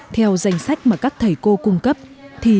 theo danh sách mà các thầy cô cung cấp thì